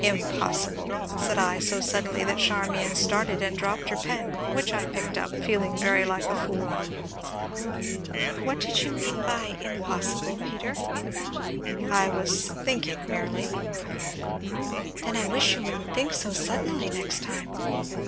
"Impossible!" said I, so suddenly that Charmian started and dropped her pen, which I picked up, feeling very like a fool. "What did you mean by 'impossible,' Peter?" "I was thinking merely." "Then I wish you wouldn't think so suddenly next time."